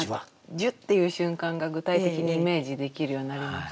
「ジュッ」っていう瞬間が具体的にイメージできるようになりましたね。